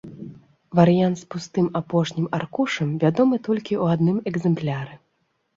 Варыянт з пустым апошнім аркушам вядомы толькі ў адным экзэмпляры.